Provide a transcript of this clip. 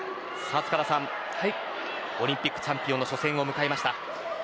オリンピックチャンピオンの初戦を迎えました。